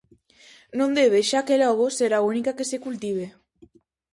Non debe, xa que logo, ser a única que se cultive.